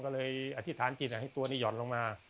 ก็เลยอธิษฐานจิตให้ตัวนี้ห่อนลงมา